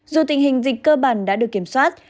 dù tình hình dịch cơ bản đã được kiểm soát